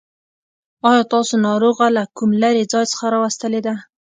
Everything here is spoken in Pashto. آيا تاسو ناروغه له کوم لرې ځای څخه راوستلې ده.